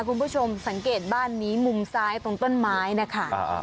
คุณผู้ชมสังเกตบ้านนี้มุมซ้ายตรงต้นไม้นะคะ